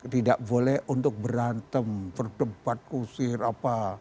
tidak boleh untuk berantem berdebat kusir apa